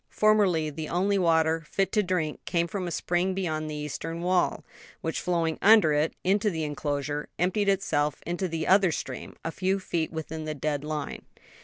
Formerly, the only water fit to drink came from a spring beyond the eastern wall, which flowing under it, into the enclosure, emptied itself into the other stream, a few feet within the dead line.